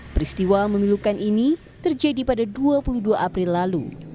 peristiwa memilukan ini terjadi pada dua puluh dua april lalu